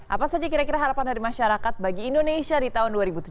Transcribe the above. apa saja kira kira harapan dari masyarakat bagi indonesia di tahun dua ribu tujuh belas